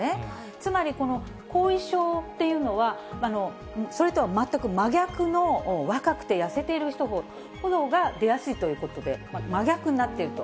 つまり、この後遺症っていうのは、それとはまったく真逆の若くて痩せている人のほうが出やすいということで、真逆になっていると。